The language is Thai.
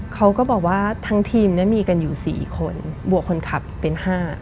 เขาก็บอกว่าทั้งทีมมีกันอยู่๔คนบวกคนขับเป็น๕